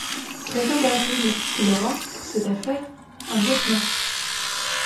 Préviens Derville qu’il aura, pour cette affaire, un lieutenant.